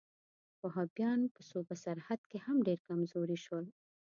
وهابیان په صوبه سرحد کې هم ډېر کمزوري شول.